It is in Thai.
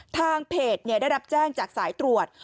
ทางเพจได้รับแจ้งจากสายตรวจ